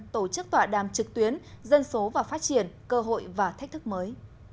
tổ chức tọa đàm trực tuyến dân số và phát triển cơ hội và thách thức mới